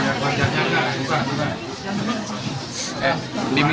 buat nggak kalau nggak puas